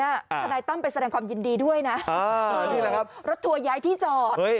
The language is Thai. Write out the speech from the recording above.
ทนายตั้มไปแสดงความยินดีด้วยนะรถทัวร์ย้ายที่จอด